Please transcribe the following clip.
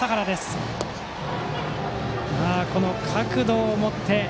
清水、角度を持って。